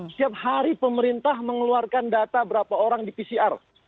setiap hari pemerintah mengeluarkan data berapa orang di pcr